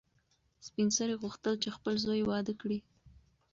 سپین سرې غوښتل چې خپل زوی واده کړي.